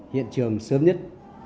hiện trường sớm nhất